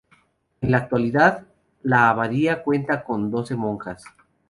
En la actualidad, la abadía cuenta con doce monjas.